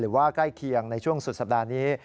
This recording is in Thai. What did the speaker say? ใกล้เคียงในช่วงสุดสัปดาห์นี้